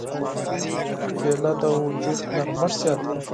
کېله د وجود نرمښت زیاتوي.